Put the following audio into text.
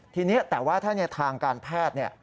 ทีนี้แต่ว่าถ้าในทางการแพทย์